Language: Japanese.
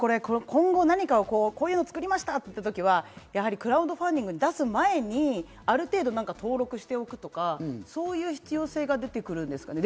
今後、何かこういうの作りましたと言った時はクラウドファンディングに出す前にある程度登録しておくとかそういう必要性が出てくるんですかね。